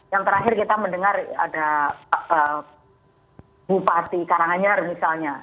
yang terakhir kita mendengar ada bupati karanganyar misalnya